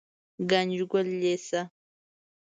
ګنجګل لېسه